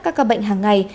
các ca bệnh hàng ngày